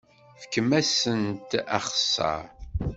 Fkem-asent axeṣṣar!